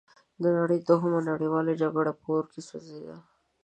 نړۍ د دوهمې نړیوالې جګړې په اور کې سوځیده.